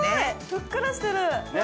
ふっくらしてる。